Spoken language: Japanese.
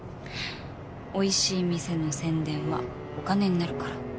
おいしい店の宣伝はお金になるから。